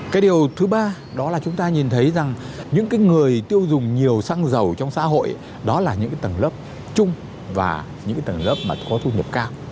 cái điều thứ ba đó là chúng ta nhìn thấy rằng những người tiêu dùng nhiều xăng dầu trong xã hội đó là những tầng lớp chung và những cái tầng lớp mà có thu nhập cao